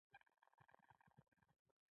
د بلورو په بید یا به، رود د وینو را خوټیږی